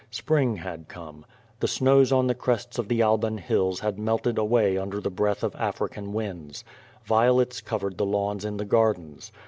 Spring had come. Tlie snows on tlie crests of tlie Alban ITills liad melted away under the breath of African winds. Violets cov ered the lawns in the gardens.